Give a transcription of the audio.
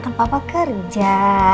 kan papa kerja